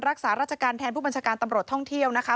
รักษาราชการแทนผู้บัญชาการตำรวจท่องเที่ยวนะคะ